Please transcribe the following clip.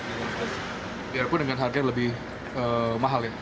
biarpun dengan harga lebih mahal ya